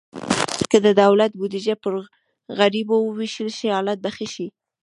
که د دولت بودیجه پر غریبو ووېشل شي، حالت به ښه شي.